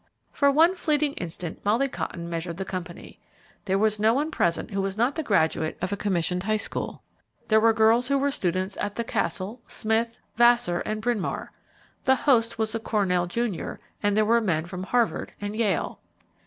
For one fleeting instant Molly Cotton measured the company. There was no one present who was not the graduate of a commissioned high school. There were girls who were students at The Castle, Smith, Vassar, and Bryn Mawr. The host was a Cornell junior, and there were men from Harvard and Yale.